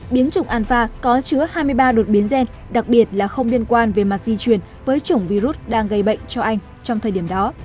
biến chủng alva có chứa hai mươi ba đột biến gen đặc biệt là không liên quan về mặt di truyền với chủng virus đang gây bệnh cho anh trong thời điểm đó